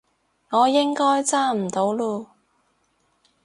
我應該揸唔到嚕